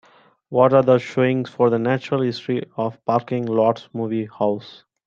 What Are the showings for The Natural History of Parking Lots movie house